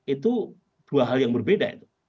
itu dua hal yang berbeda